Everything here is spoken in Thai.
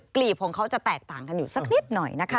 ลีบของเขาจะแตกต่างกันอยู่สักนิดหน่อยนะคะ